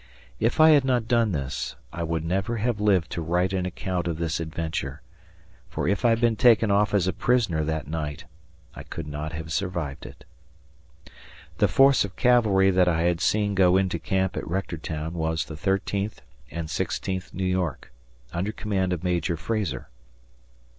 If I had not done this, I would never have lived to write an account of this adventure, for if Ihad been taken off as a prisoner that night, I could not have survived it. The force of cavalry that I had seen go into camp at Rectortown was the Thirteenth and Sixteenth New York, under command of Major Frazar.